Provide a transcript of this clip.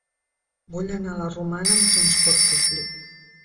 Vull anar a la Romana amb transport públic.